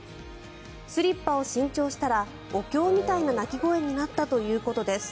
スリッパを新調したらお経みたいな鳴き声になったということです。